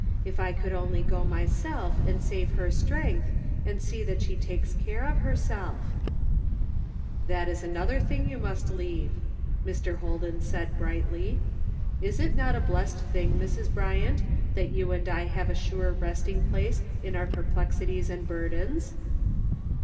If I could only go i6i 1(52 ".SO YOU WANT TO GO HOME?'' myself and save her strength and see that she takes care of herself !" "That is another thing you must leave," Mr. Holden said brightly. " Is it not a blessed thing, Mrs. Bryant, that you and I have a sure resting place in our jjerplexities and burdens?"